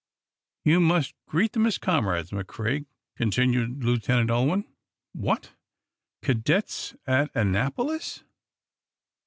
"You must greet them as comrades, McCrea," continued Lieutenant Ulwin. "What? Cadets at Annapolis?"